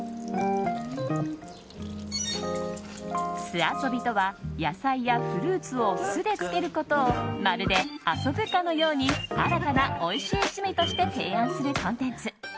酢あそびとは、野菜やフルーツを酢で漬けることをまるで、遊ぶかのように新たなオイシイ趣味として提案するコンテンツ。